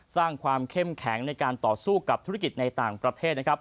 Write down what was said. สร้างความเข้มแข็งในการต่อสู้กับธุรกิจในต่างประเทศนะครับ